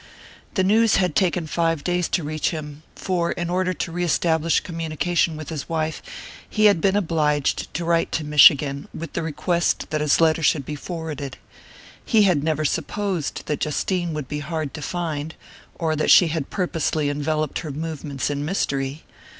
The news had taken five days to reach him, for in order to reestablish communication with his wife he had been obliged to write to Michigan, with the request that his letter should be forwarded. He had never supposed that Justine would be hard to find, or that she had purposely enveloped her movements in mystery.